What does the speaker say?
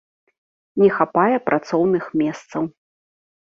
Не хапае працоўных месцаў.